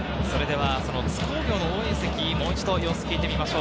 それでは、その津工業の応援席、もう一度様子聞いてみましょう。